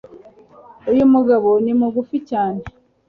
Uyu mugabo ni Mugufi cyane